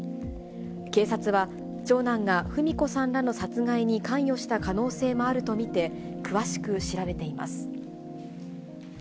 警察は、長男が二三子さんらの殺害に関与した可能性もあると見て、詳しく調べています。